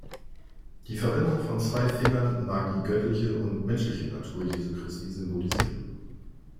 Die Verwendung von zwei Fingern mag die göttliche und menschliche Natur Jesu Christi symbolisieren.